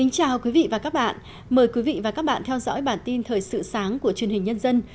chào mừng quý vị đến với bản tin thời sự sáng của truyền hình nhân dân